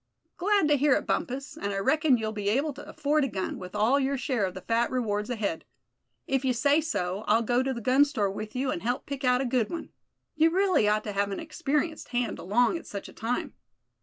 "Glad to hear it, Bumpus; and I reckon you'll be able to afford a gun, with all your share of the fat rewards ahead. If you say so, I'll go to the gun store with you, and help pick out a good one. You really ought to have an experienced hand along at such a time."